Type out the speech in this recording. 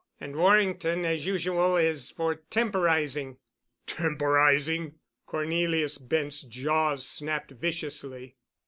And Warrington, as usual, is for temporizing." "Temporizing?" Cornelius Bent's jaws snapped viciously.